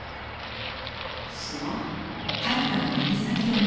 砂？